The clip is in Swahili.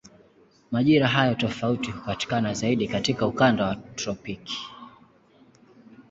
Majira hayo tofauti hupatikana zaidi katika ukanda wa tropiki.